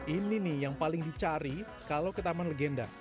ini nih yang paling dicari kalau ke taman legenda